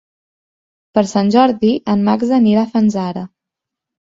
Per Sant Jordi en Max anirà a Fanzara.